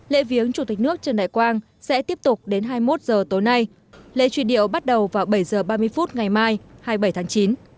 lễ viếng chủ tịch nước trần đại quang sẽ tiếp tục đến hai mươi một h tối nay lễ truy điệu bắt đầu vào bảy h ba mươi phút ngày mai hai mươi bảy tháng chín